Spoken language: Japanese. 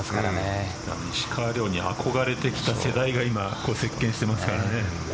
石川遼に憧れてきた世代が今、席巻してますからね。